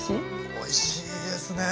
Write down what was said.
おいしいですね。